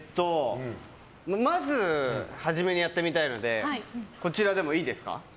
まず初めにやってみたいのでこちらでもいいですか？